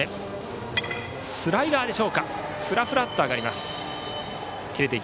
スライダーでしょうか。